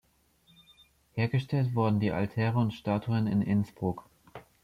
Hergestellt wurden die Altäre und Statuen in Innsbruck.